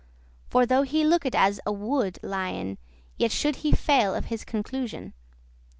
For, though he looked as a wood* lion, *furious Yet should he fail of his conclusion.